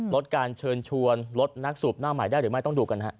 ลดการเชิญชวนลดนักสูบหน้าใหม่ได้หรือไม่ต้องดูกันฮะ